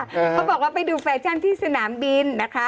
เขาบอกว่าไปดูแฟชั่นที่สนามบินนะคะ